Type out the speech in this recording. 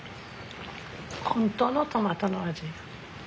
本当のトマトの味。